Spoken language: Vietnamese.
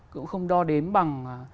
cũng không đo đếm bằng